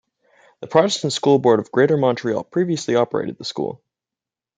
The Protestant School Board of Greater Montreal previously operated the school.